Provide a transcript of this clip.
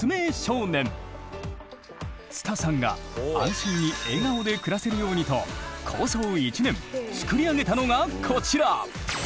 つたさんが安心に笑顔で暮らせるようにと構想１年作り上げたのがこちら！